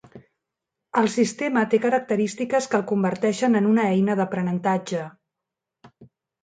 El sistema té característiques que el converteixen en una eina d'aprenentatge.